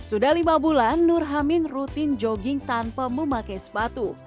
sudah lima bulan nurhamin rutin jogging tanpa memakai sepatu